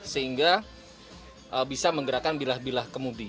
sehingga bisa menggerakkan bilah bilah kemudi